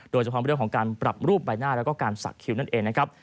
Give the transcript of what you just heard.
โดยเฉพาะเรื่องของการปรับรูปใบหน้าแล้วก็การสักคิวนั่นเองนะครับ